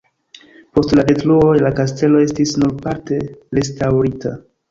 Post la detruoj la kastelo estis nur parte restaŭrita.